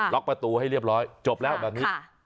็อกประตูให้เรียบร้อยจบแล้วแบบนี้